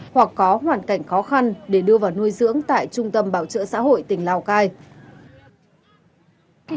hoặc có hoàn cảnh khó khăn để đưa vào nuôi dưỡng tại trung tâm bảo trợ xã hội tỉnh lào cai